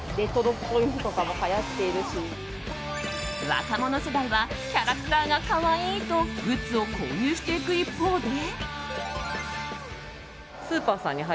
若者世代はキャラクターが可愛いとグッズを購入していく一方で。